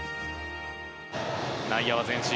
内野は前進。